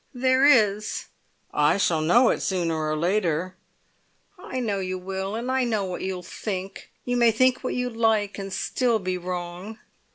"There is!" "I shall know it sooner or later." "I know you will, and I know what you'll think! You may think what you like, and still be wrong!"